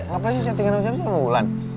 gapal sih settingan usia bisa lo wulan